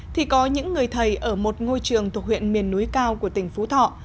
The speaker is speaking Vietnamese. thì có những người thầy ở một ngôi trường thuộc huyện miền núi cao của tỉnh phú thọ